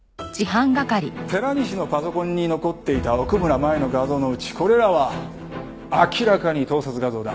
寺西のパソコンに残っていた奥村麻衣の画像のうちこれらは明らかに盗撮画像だ。